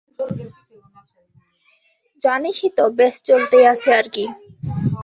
জানিসই তো, ব্যস চলতেই আছে আর কি।